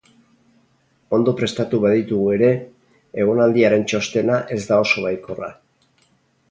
Ondo prestatu baditugu ere, egonaldiaren txostena ez da oso baikorra.